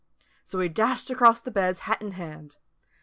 So he dashed across the beds, hat in hand.